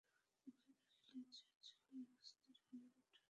ওকে দেখিলেই যে ছেলে অস্থির হইয়া উঠে ।